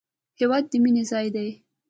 هېواد د مینې ځای دی